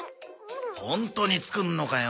ホントに作んのかよ。